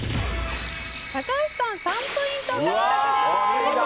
高橋さん３ポイント獲得です。